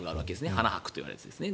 花博というやつですね。